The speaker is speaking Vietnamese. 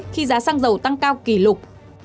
khi giá xăng dầu tăng cao kỷ lục